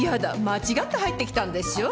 間違って入ってきたんでしょ。